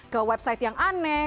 ke website yang aneh